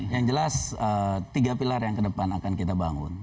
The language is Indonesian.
yang jelas tiga pilar yang kedepan akan kita bangun